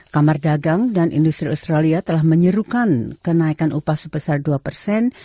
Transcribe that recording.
kamar dagang dan industri australia telah menyerukan kenaikan upah sebesar dua persen